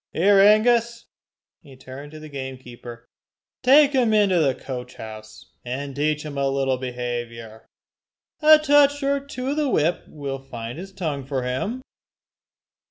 "Here Angus," and he turned to the gamekeeper "take him into the coach house, and teach him a little behaviour. A touch or two of the whip will find his tongue for him."